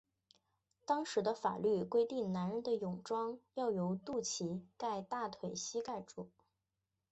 当时的法律规定男人的泳装要由肚脐盖大腿膝盖处。